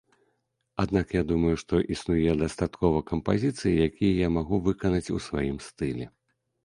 Аднак я думаю, што існуе дастаткова кампазіцый, якія я магу выканаць у сваім стылі.